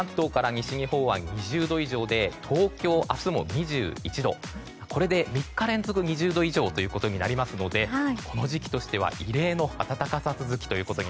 西日本は２０度以上で東京、明日も２１度これで３日連続２０度以上になりますのでこの時期としては異例の暖かさ続きです。